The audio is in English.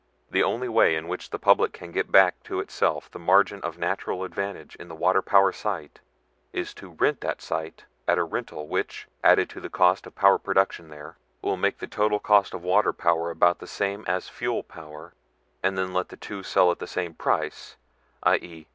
... The only way in which the public can get back to itself the margin of natural advantage in the water power site is to rent that site at a rental which, added to the cost of power production there, will make the total cost of water power about the same as fuel power, and then let the two sell at the same price, i. e.